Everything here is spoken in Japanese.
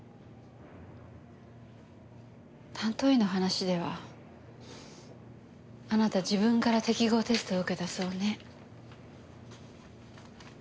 担当医の話ではあなた自分から適合テストを受けたそうね。